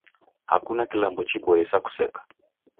Hakuna kilambo chiboie sa kuseka